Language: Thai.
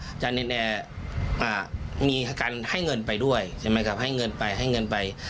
อาจารย์เนนแอร์มีการให้เงินไปด้วยใช่ไหมครับให้เงินไปให้เงินไป